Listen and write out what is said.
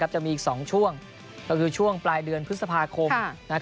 จะมีอีก๒ช่วงก็คือช่วงปลายเดือนพฤษภาคม